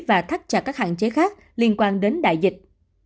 và thắt chặt các hạn chế khác liên quan đến đại dịch